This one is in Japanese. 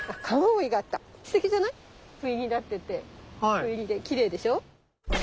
斑入りできれいでしょ。